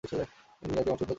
তিনি ইরাকী বংশধর ছিলেন।